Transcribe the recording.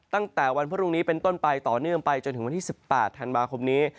ตั้งแต่วันพรุ่งนี้เป็นต้นไปต่อเนื่องไปจนถึงวันที่๑๘ธันวาคมนี้